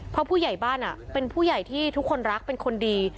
เพราะผู้ใหญ่บ้านเป็นผู้ใหญ่ที่ทุกคนรักเป็นคนดี